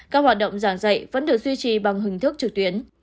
các hoạt động giảng dạy vẫn được duy trì bằng hình thức trực tuyến